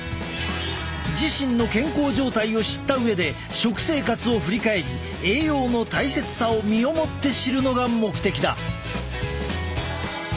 自身の健康状態を知った上で食生活を振り返り栄養の大切さを身をもって知るのが目的だ。